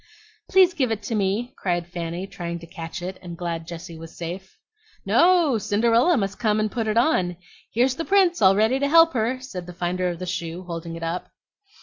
"Please give it to me!" cried Fanny, trying to catch it, and glad Jessie was safe. "No; Cinderella must come and put it on. Here's the Prince all ready to help her," said the finder of the shoe, holding it up.